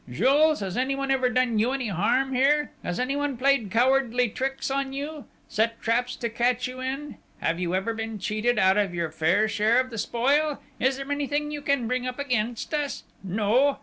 "Jules, has anyone ever done you any harm here?... Has anyone played cowardly tricks on you?... Set traps to catch you in?... Have you ever been cheated out of your fair share of the spoil?... Is there anything you can bring up against us?... No?...